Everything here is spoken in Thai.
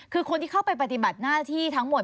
คือคนที่เข้าไปปฏิบัติหน้าที่ทั้งหมด